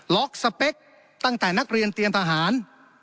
สเปคตั้งแต่นักเรียนเตรียมทหาร